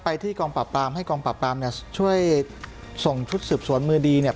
ที่กองปราบปรามให้กองปราบปรามเนี่ยช่วยส่งชุดสืบสวนมือดีเนี่ย